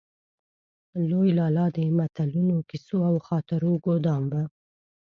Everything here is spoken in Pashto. لوی لالا د متلونو، کيسو او خاطرو ګودام و.